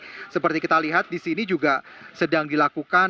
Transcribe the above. jadi seperti kita lihat di sini juga sedang dilakukan